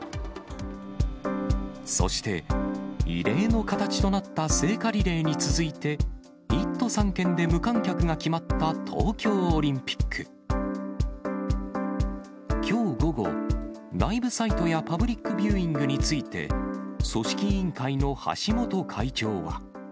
そして、異例の形となった聖火リレーに続いて、１都３県で無観客が決まった東京オリンピック。きょう午後、ライブサイトやパブリックビューイングについて、組織委員会の橋本会長は。